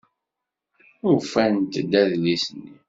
Ufant-d adlis-nni.